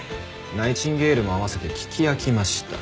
ナイチンゲールも合わせて聞き飽きました。